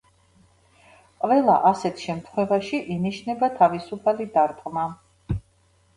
ყველა ასეთ შემთხვევაში ინიშნება თავისუფალი დარტყმა.